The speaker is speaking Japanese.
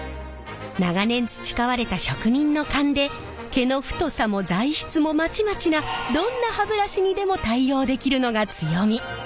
長年培われた職人の勘で毛の太さも材質もまちまちなどんな歯ブラシにでも対応できるのが強み。